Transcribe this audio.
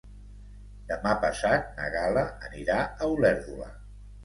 Demà passat na Gal·la anirà a Olèrdola.